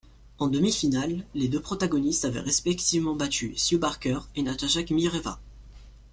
En demi-finale, les deux protagonistes avaient respectivement battu Sue Barker et Natasha Chmyreva.